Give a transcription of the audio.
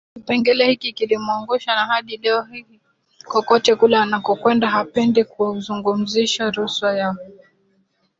kipengele hiki kilimuangusha na hadi leo hii kokote kule anakokwenda hapendi kuzungumzia rushwa na